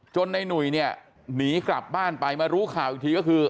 ในหนุ่ยเนี่ยหนีกลับบ้านไปมารู้ข่าวอีกทีก็คือ